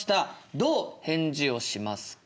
どう返事をしますか？